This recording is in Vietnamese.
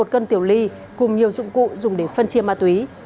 một cân tiểu ly cùng nhiều dụng cụ dùng để phân chia ma túy